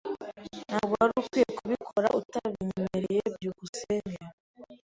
Ntabwo wari ukwiye kubikora utabinyemereye. byukusenge